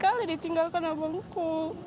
karena sedikala ditinggalkan abangku